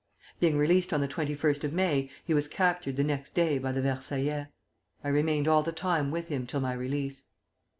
Being released on the 21st of May, he was captured the next day by the Versaillais. I remained all the time with him till my release.